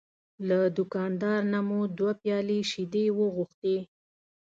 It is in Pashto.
له دوکاندار نه مو دوه پیالې شیدې وغوښتې.